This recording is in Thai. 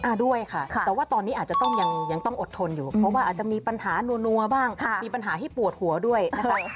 ด้วยค่ะแต่ว่าตอนนี้อาจจะต้องยังต้องอดทนอยู่เพราะว่าอาจจะมีปัญหานัวบ้างมีปัญหาที่ปวดหัวด้วยนะคะ